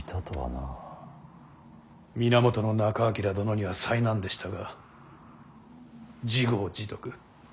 源仲章殿には災難でしたが自業自得。